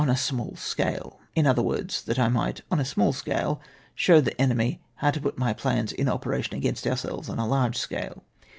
a small scale I In other words, that I might, '"( )n a small scale," show the enemy how to put my plans in operation against om'selves on a lan/e scale!